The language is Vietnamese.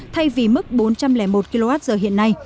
thay vì mức bốn trăm linh một kwh hiện nay